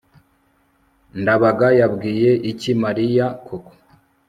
ndabaga yabwiye iki mariya koko